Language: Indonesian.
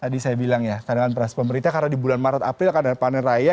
tadi saya bilang ya cadangan beras pemerintah karena di bulan maret april kan ada panen raya